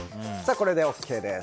これでＯＫです。